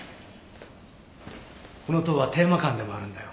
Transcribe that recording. この塔はテーマ館でもあるんだよ。